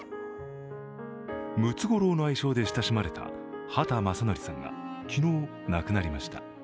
ムツゴロウの愛称で親しまれた畑正憲さんが昨日、亡くなりました。